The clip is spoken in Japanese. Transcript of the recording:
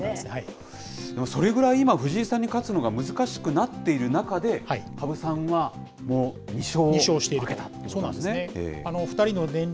でもそれぐらい今、藤井さんに勝つのが難しくなっている中で、羽生さんはもう２勝負けたということですね。